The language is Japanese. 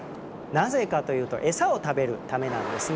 なぜかというとエサを食べるためなんですね。